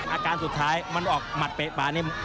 อาการสุดท้ายมันออกหมัดเปะฝานิ่ม